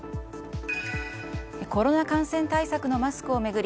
コロナ感染対策のマスクを巡り